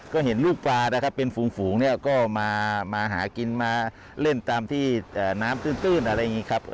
ก็เห็นลูกปลานะครับเป็นฝูงเนี่ยก็มาหากินมาเล่นตามที่น้ำตื้นอะไรอย่างนี้ครับ